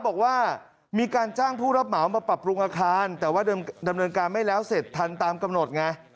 บอกว่ามีการจ้างผู้รับเหมามาปรับปรุงอาคารแต่ว่าดำเนินการไม่แล้วเสร็จทันตามกำหนดไง